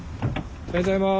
おはようございます。